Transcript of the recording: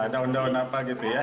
daun daun apa gitu ya